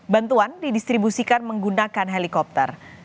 bantuan didistribusikan menggunakan helikopter